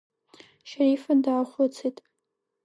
Шьарифа даахәыцит.